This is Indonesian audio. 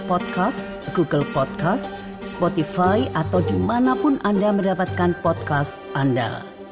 podcast google podcast spotify atau dimanapun anda mendapatkan podcast anda